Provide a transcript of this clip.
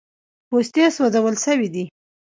پوستې سوځول سوي دي.